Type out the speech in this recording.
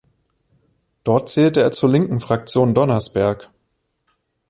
Dort zählte er zur linken Fraktion Donnersberg.